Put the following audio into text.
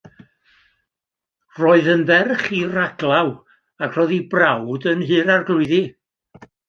Roedd yn ferch i raglaw ac roedd ei brawd yn Nhŷ'r Arglwyddi.